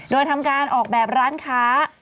โดยทำการออกแบบร้านค้า